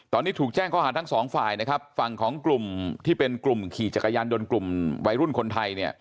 ตอนนี้ถูกแจ้งข้อหาทั้ง๒ฝ่ายฝั่งของกลุ่มที่เป็นกลุ่มขี่จักรยานยนต์